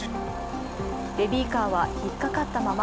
ベビーカーはひっかかったまま。